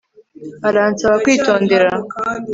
Aransaba kwitondera